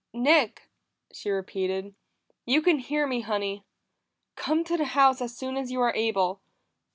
"Nick!" she repeated. "You can hear me, Honey. Come to the house as soon as you are able.